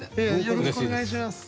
よろしくお願いします。